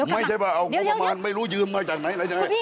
ไม่ใช่ว่าเอาก็ไม่รู้ยืมมาจากไหน